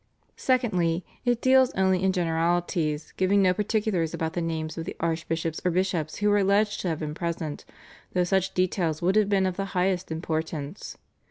Secondly, it deals only in generalities, giving no particulars about the names of the archbishops or bishops who were alleged to have been present, though such details would have been of the highest importance.